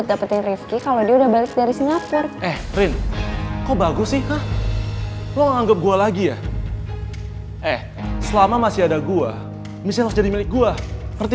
tapi lo gak pernah peduli sama tujuan gue